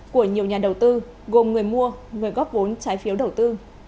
của nhiều nhà đầu tư gồm người mua người góp vốn trái phiếu đầu tư